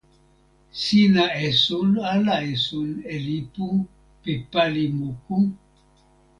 sina esun ala esun e lipu pi pali moku?